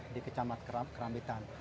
di kecamat keramitan